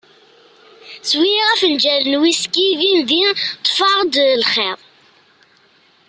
Swiɣ afenǧal n wiski, din din ṭfeɣ-d lxiḍ.